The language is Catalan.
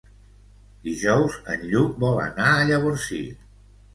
Dijous en Lluc vol anar a Llavorsí.